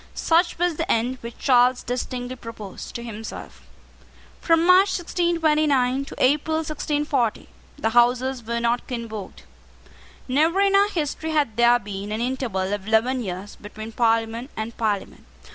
Such was the end which Charles distinctly proposed to himself. From March 1629 to April 1640, the Houses were not convoked. Never in our history had there been an interval of eleven years between Parliament and Parliament.